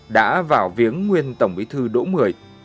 đã vào viếng nguyên tổng bí thư đỗ mười